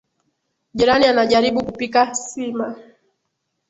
Jirani anajaribu kupika sima.